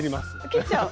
切っちゃう。